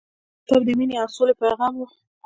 هغه کتاب د مینې او سولې پیغام و.